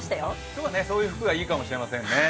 今日はそういう服がいいかもしれませんね。